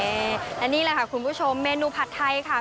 และนี่แหละค่ะคุณผู้ชมเมนูผัดไทยค่ะ